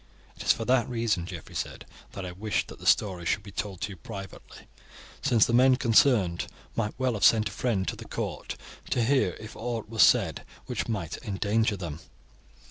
"It is for that reason," Geoffrey said, "that I wished that the story should be told to you privately, since the men concerned might well have sent a friend to the court to hear if aught was said which might endanger them."